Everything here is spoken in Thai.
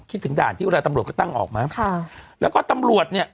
ถึงด่านที่เวลาตำรวจเขาตั้งออกมาค่ะแล้วก็ตำรวจเนี่ย